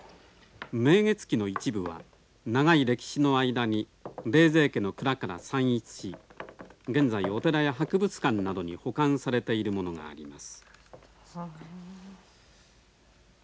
「明月記」の一部は長い歴史の間に冷泉家の蔵から散逸し現在お寺や博物館などに保管されているものがあります。